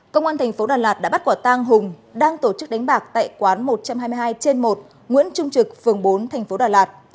công an thành phố đà lạt đã bắt quả tang hùng đang tổ chức đánh bạc tại quán một trăm hai mươi hai trên một nguyễn trung trực phường bốn thành phố đà lạt